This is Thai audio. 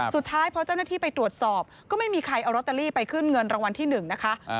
สุดท้ายพอเจ้าหน้าที่ไปตรวจสอบก็ไม่มีใครเอาลอตเตอรี่ไปขึ้นเงินรางวัลที่๑นะคะ